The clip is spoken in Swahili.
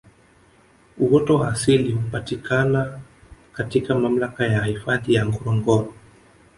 Uoto wa asili hupatikna katika mamlaka ya hifadhi ya Ngorongoro